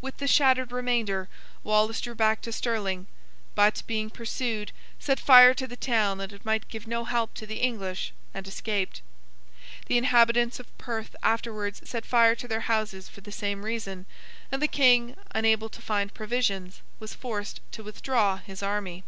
With the shattered remainder, Wallace drew back to Stirling; but, being pursued, set fire to the town that it might give no help to the English, and escaped. The inhabitants of Perth afterwards set fire to their houses for the same reason, and the King, unable to find provisions, was forced to withdraw his army.